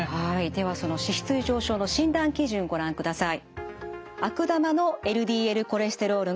ではその脂質異常症の診断基準ご覧ください。